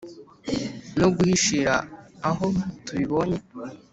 no guhishira aho tubibonye.